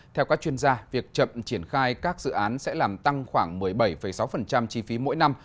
theo các chuyên gia việc chậm triển khai các dự án sẽ làm tăng khoảng một mươi bảy sáu chi phí mỗi năm